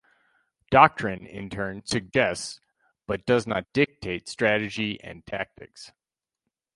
Doctrine, in turn, suggests but does not dictate strategy and tactics.